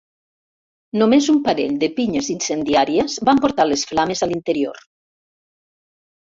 Només un parell de pinyes incendiàries van portar les flames a l'interior.